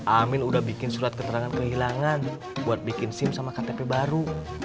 amin udah bikin surat keterangan kehilangan buat bikin sim sama ktp baru